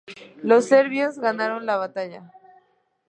Los serbios ganaron la batalla.